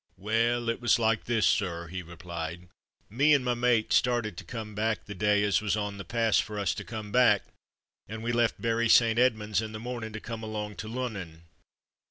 "Well, it was like this, sir,'' he replied. "Me and my mate started to come back the day as was on the pass for us to come back, and we left Bury St. Edmunds in the mornin' to come along to Lunnon.